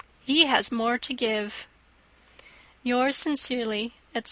He has more to give. "Yours sincerely," etc.